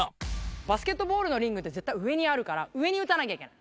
バスケットボールのリングって絶対上にあるから、上に打たなきゃいけない。